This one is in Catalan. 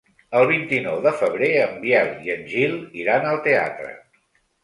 El vint-i-nou de febrer en Biel i en Gil iran al teatre.